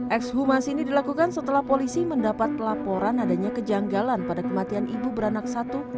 ekshumasi ini dilakukan setelah polisi mendapat laporan adanya kejanggalan pada kematian ibu beranak satu